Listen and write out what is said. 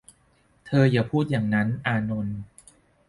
เธออย่าพูดอย่างนั้น อานนท์